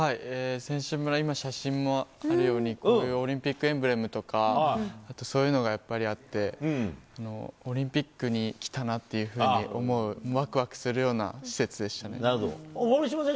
選手村、今写真もあるように、オリンピックエンブレムとか、あとそういうのがやっぱりあって、オリンピックに来たなっていうふうに思う、わくわくするような施なるほど。